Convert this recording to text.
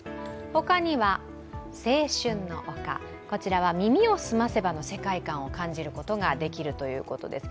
他には、青春の丘、こちらは「耳をすませば」の世界観を感じることができるということです。